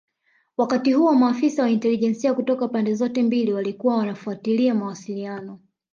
Wakati huo maafisa wa intelijensia kutoka pande zote mbili walikuwa wanafuatilia mawasiliano